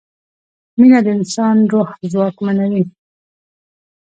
مینه د انسان روح ځواکمنوي.